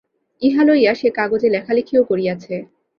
ইহা লইয়া সে কাগজে লেখালেখিও করিয়াছে।